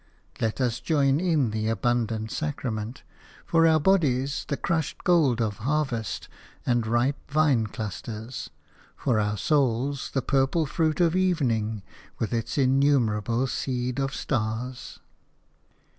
Let us join in the abundant sacrament – for our bodies the crushed gold of harvest and ripe vine clusters, for our souls the purple fruit of evening with its innumerable seed of stars.